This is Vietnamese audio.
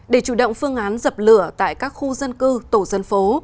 để chủ động phương án dập lửa tại các khu dân cư tổ dân phố